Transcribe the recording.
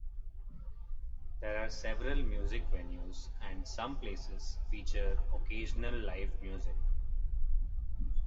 There are several music venues and some places feature occasional live music.